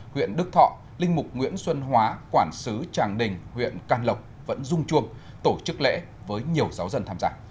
huyện đức thọ linh mục nguyễn xuân hóa quản sứ tràng đình huyện can lộc vẫn rung chuông tổ chức lễ với nhiều giáo dân tham gia